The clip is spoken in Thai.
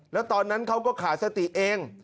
แล้วตอนนั้นเขาก็ขาดสติเอง